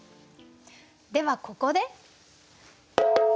ではここで。